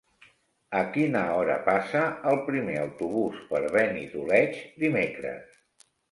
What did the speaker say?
A quina hora passa el primer autobús per Benidoleig dimecres?